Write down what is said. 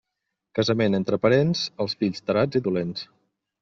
Casament entre parents, els fills tarats i dolents.